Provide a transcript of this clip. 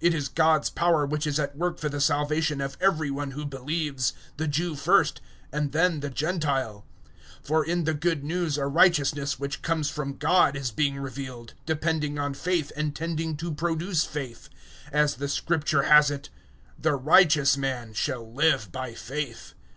It is God's power which is at work for the salvation of every one who believes the Jew first, and then the Gentile. 001:017 For in the Good News a righteousness which comes from God is being revealed, depending on faith and tending to produce faith; as the Scripture has it, "The righteous man shall live by faith."